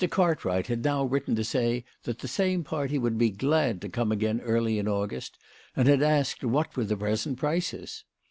Cartwright had now written to say, that the same party would be glad to come again early in August, and had asked what were the present prices.